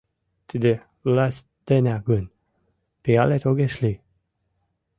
— Тиде власть денак гын, пиалет огеш лий.